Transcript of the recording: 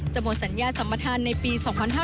จะหมดสัญญะสัมพทานในปี๒๕๖๘